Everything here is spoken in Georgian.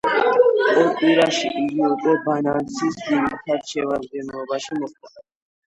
ორ კვირაში იგი უკვე ბანანცის ძირითად შემადგენლობაში მოხვდა.